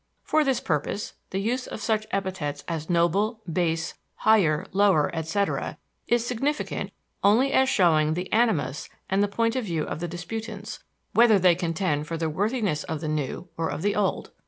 For this purpose the use of such epithets as "noble", "base", "higher", "lower", etc., is significant only as showing the animus and the point of view of the disputants; whether they contend for the worthiness of the new or of the old.